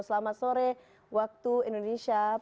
selamat sore waktu indonesia